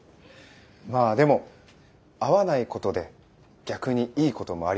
まあでも会わないことで逆にいいこともありますよ。